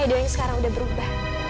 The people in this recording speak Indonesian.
ide yang sekarang udah berubah